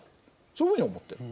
そういうふうに思ってる。